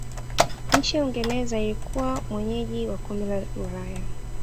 nchi ya uingereza ilikuwa mwenyeji wa kombe la Ulaya